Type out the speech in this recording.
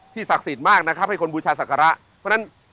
ศักดิ์สิทธิ์มากนะครับให้คนบูชาศักระเพราะฉะนั้น